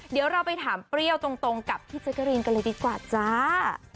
เดี๋ยวเราไปถามเปรี้ยวตรงกับพี่แจ๊กกะรีนกันเลยดีกว่าจ้า